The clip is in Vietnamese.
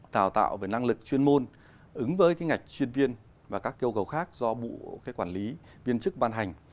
đào tạo về năng lực chuyên môn ứng với ngạch chuyên viên và các kêu cầu khác do bộ quản lý viên chức ban hành